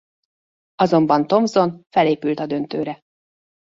Azonban Thomson felépült a döntőre.